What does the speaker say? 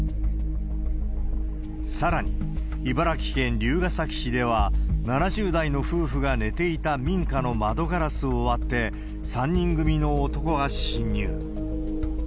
さらに、茨城県龍ケ崎市では、７０代の夫婦が寝ていた民家の窓ガラスを割って、３人組の男が侵入。